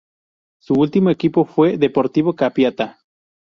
Su último equipo fue Deportivo Capiatá.